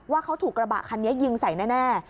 ว่าเขาถูกกระบะคันนี้ยิงใส่แน่